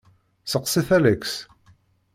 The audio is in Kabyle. Seqsit Alex.